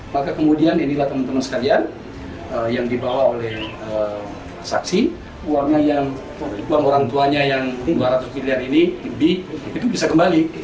maka kemudian inilah teman teman sekalian yang dibawa oleh saksi uang orang tuanya yang dua ratus miliar ini lebih itu bisa kembali